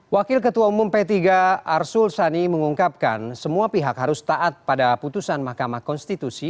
wakil ketua umum p tiga arsul sani mengungkapkan semua pihak harus taat pada putusan mahkamah konstitusi